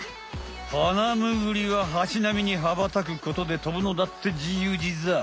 ハナムグリはハチなみに羽ばたくことで飛ぶのだってじゆうじざい。